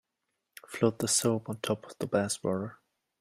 Float the soap on top of the bath water.